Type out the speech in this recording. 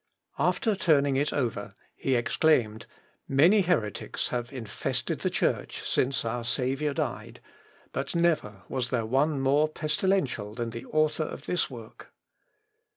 After turning it over, he exclaimed, "Many heretics have infested the Church since our Saviour died, but never was there one more pestilential than the author of this work."